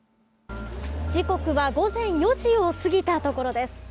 時刻は午前４時を過ぎたところです。